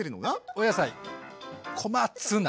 お野菜小松菜。